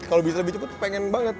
kalau bisa lebih cepat pengen banget